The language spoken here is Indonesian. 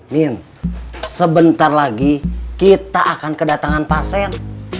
min sebentar lagi kita akan kedatangan pasien